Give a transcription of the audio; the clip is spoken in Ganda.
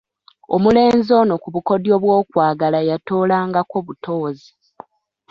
Omulenzi ono ku bukodyo bw'okwagala yatoolangako butoozi.